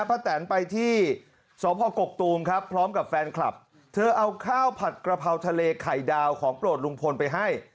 แตนไปที่สพกกตูมครับพร้อมกับแฟนคลับเธอเอาข้าวผัดกระเพราทะเลไข่ดาวของโปรดลุงพลไปให้